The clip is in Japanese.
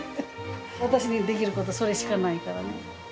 私にできること、それしかないからね。